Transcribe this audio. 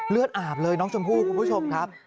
อาบเลยน้องชมพู่คุณผู้ชมครับ